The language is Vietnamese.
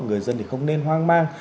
người dân thì không nên hoang mang